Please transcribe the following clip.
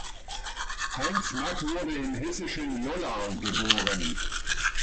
Heinz Mack wurde im hessischen Lollar geboren.